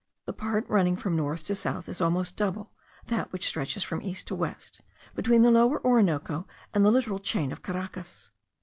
The part running from north to south is almost double that which stretches from east to west, between the Lower Orinoco and the littoral chain of Caracas.